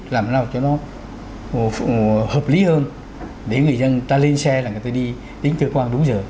làm sao cho nó hợp lý hơn để người dân người ta lên xe là người ta đi đến cơ quan đúng giờ